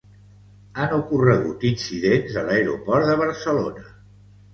Han ocorregut incidents a l'aeroport de Barcelona